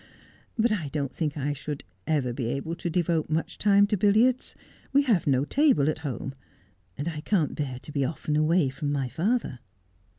But I don't think I should ever be able to devote much time to billiards. We have no table at home ; and I can't bear to be often away from my father.'